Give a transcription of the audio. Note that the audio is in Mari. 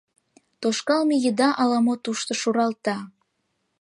Тошкалме еда ала-мо тушто шуралта.